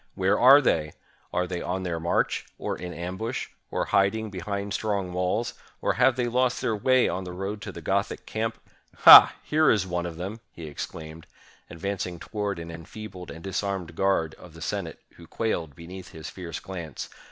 "Where are they? Are they on their march, or in ambush, or hiding behind strong walls, or have they lost their way on the road to the Gothic camp? Ha! here is one of them!" he exclaimed, advancing to ward an enfeebled and disarmed guard of the Senate, who quailed beneath his fierce glance.